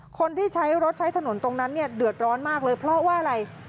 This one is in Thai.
คนที่ใช้รถใช้ถนนตรงนั้นเนี่ยเดือดร้อนมากเลยเพราะว่าอะไร